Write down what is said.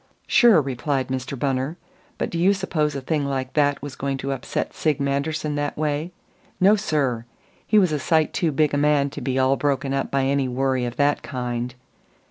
"Sure," replied Mr. Bunner. "But do you suppose a thing like that was going to upset Sig Manderson that way? No, sir! He was a sight too big a man to be all broken up by any worry of that kind."